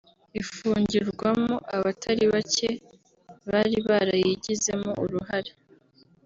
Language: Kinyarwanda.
ifungirwamo abatari bake bari barayigizemo uruhare